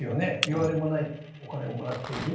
いわれもないお金をもらっている。